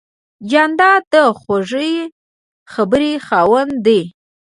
جانداد د خوږې خبرې خاوند دی.